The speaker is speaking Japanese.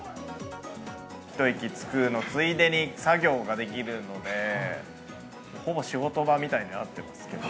一息つくのついでに作業ができるので、ほぼ仕事場みたいになってますけど。